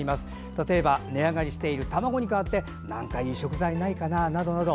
例えば値上がりしている卵に代わって何かいい食材はないかなどなど。